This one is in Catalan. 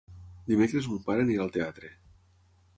Dimecres mon pare anirà al teatre.